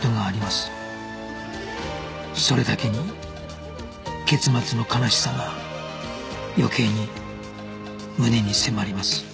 それだけに結末の悲しさが余計に胸に迫ります